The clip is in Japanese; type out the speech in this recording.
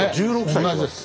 同じです。